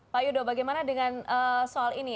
pak yudo bagaimana dengan soal ini